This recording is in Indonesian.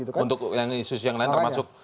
untuk yang lain termasuk